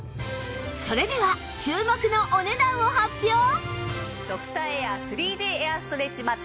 それでは注目のドクターエア ３Ｄ エアストレッチマット。